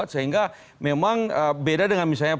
sehingga memang beda dengan misalnya